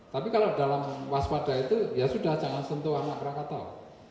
tapi kalau dalam waspada itu ya sudah jangan sentuh sama krakatau